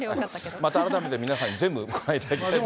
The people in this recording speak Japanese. また改めて皆さんにご覧いただきたいと。